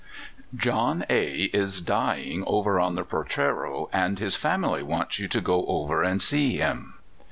*' John A is dying over on the Portrero, and his family wants you to go over and see him."